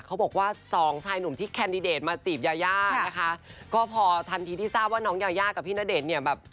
เค้าบอกว่าสองชายหลวงที่แคนดิเดตมาจีบยาพอทันทีที่ที่ทราบว่าน้องยากับพี่ณเดชนี่เนี่ย